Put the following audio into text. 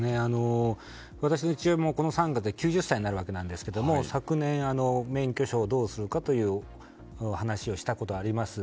私の父親も今年の３月で９０歳になるわけですが昨年、免許証をどうするかという話をしたことがあります。